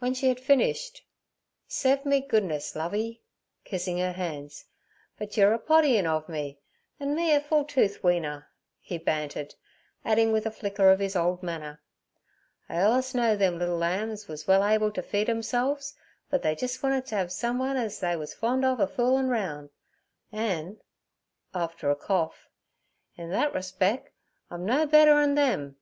When she had finished, 'S'ep me goodness, Lovey' kissing her hands, 'but yer a poddyin' ov me, an' me a full tooth weaner' he bantered, adding with a flicker of his old manner: 'I allus knowed them liddle lambs wuz well able ter feed 'emselves, but they jis wanted t' 'ave someun az they was fond ov a foolin' roun', an' (after a cough) in that respec' I'm no better un them.'